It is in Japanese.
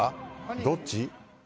どっち？